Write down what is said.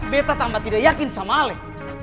beta tambah tidak yakin sama ale